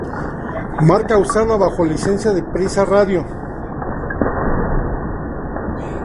Marca usada bajo licencia de Prisa Radio.